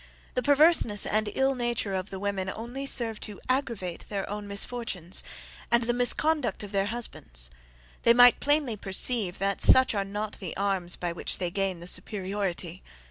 The perverseness and ill nature of the women only serve to aggravate their own misfortunes, and the misconduct of their husbands; they might plainly perceive that such are not the arms by which they gain the superiority."